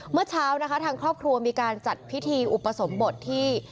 เมื่อเช้านะคะทางครอบครัวมีการจัดพิธีอุปสมบทที่